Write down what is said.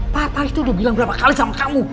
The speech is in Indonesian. pak pak itu udah bilang berapa kali sama kamu